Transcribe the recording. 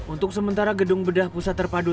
untuk sementara gedung bedah pusat terpadu